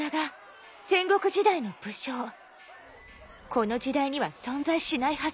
この時代には存在しないはず。